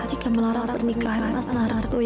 jika melarang pernikahan mas nararto